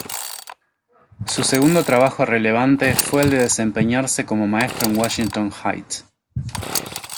Su segundo trabajo relevante fue el de desempeñarse como maestro en Washington Height.